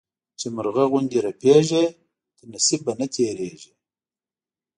چي مرغه غوندي رپېږي، تر نصيب به نه تيرېږې.